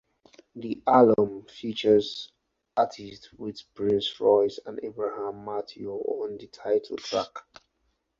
The alum features artists with Prince Royce and Abraham Mateo on the title track.